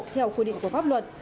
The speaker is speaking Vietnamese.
theo quy định của pháp luật